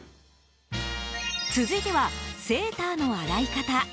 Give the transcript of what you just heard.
続いては、セーターの洗い方。